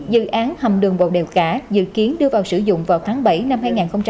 dự án hầm đường bộ đều cả dự kiến đưa vào sử dụng vào tháng bảy năm hai nghìn một mươi bảy